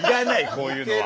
こういうのは。